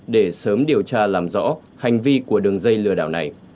để sớm điều tra làm rõ hành vi của đường dây lừa đảo này